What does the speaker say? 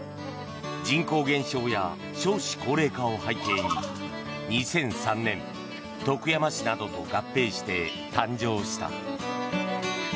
人口減少や少子高齢化を背景に２００３年、徳山市などと合併して誕生した。